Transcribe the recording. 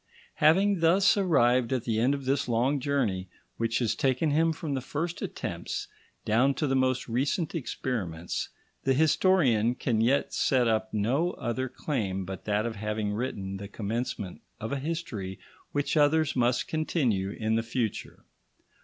Having thus arrived at the end of this long journey, which has taken him from the first attempts down to the most recent experiments, the historian can yet set up no other claim but that of having written the commencement of a history which others must continue in the future.